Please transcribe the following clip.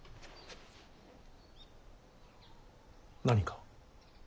何か？